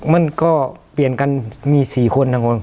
มันก็เปลี่ยนกันมี๔คนนะคุณ